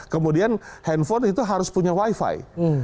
kemudian handphone itu harus punya wifi